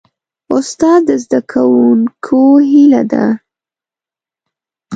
استاد د زدهکوونکو هیله ده.